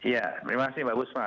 ya terima kasih mbak busma